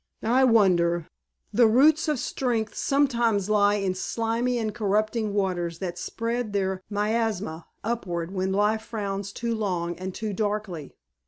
"I wonder! The roots of strength sometimes lie in slimy and corrupting waters that spread their miasma upward when Life frowns too long and too darkly.